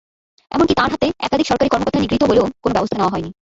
এমনকি তাঁর হাতে একাধিক সরকারি কর্মকর্তা নিগৃহীত হলেও কোনো ব্যবস্থা নেওয়া হয়নি।